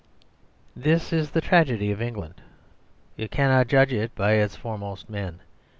..... This is the tragedy of England; you cannot judge it by its foremost men.